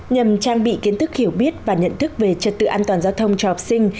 nhằm trang bị kiến thức hiểu biết và nhận thức về trật tự an toàn giao thông cho học sinh